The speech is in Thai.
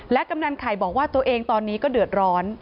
กำนันไข่บอกว่าตัวเองตอนนี้ก็เดือดร้อน